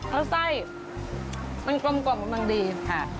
แล้วไส้มันกลมมันดีค่ะ